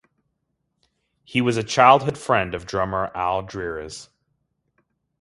He was a childhood friend of drummer Al Dreares.